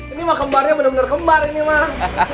ini mah kembarnya bener bener kembar ini mah